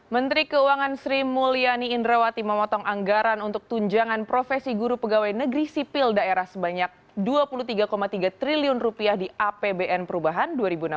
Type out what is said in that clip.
menteri keuangan sri mulyani indrawati memotong anggaran untuk tunjangan profesi guru pegawai negeri sipil daerah sebanyak dua puluh tiga tiga triliun di apbn perubahan dua ribu enam belas